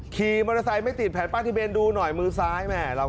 ขี่มอเตอร์ไซต์ไม่ติดแผนป้านที่เบนดูหน่อยมือซ้าย